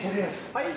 はい！